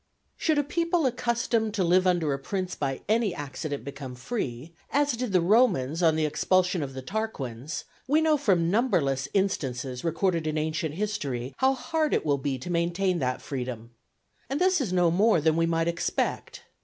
_ Should a people accustomed to live under a prince by any accident become free, as did the Romans on the expulsion of the Tarquins, we know from numberless instances recorded in ancient history, how hard it will be for it to maintain that freedom. And this is no more than we might expect.